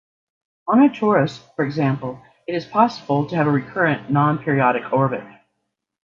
On a torus, for example, it is possible to have a recurrent non-periodic orbit.